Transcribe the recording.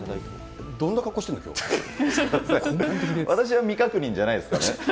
私は未確認じゃないですからね。